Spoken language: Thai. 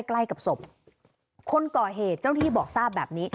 ใกล้กับศพคนก่อเหตุเจ้าหน้าที่บอกทราบแบบนี้